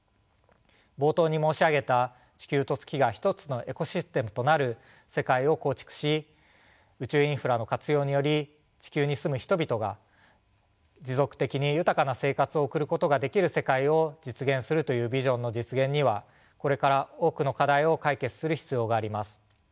冒頭に申し上げた地球と月が一つのエコシステムとなる世界を構築し宇宙インフラの活用により地球に住む人々が持続的に豊かな生活を送ることができる世界を実現するというビジョンの実現にはこれから多くの課題を解決する必要があります。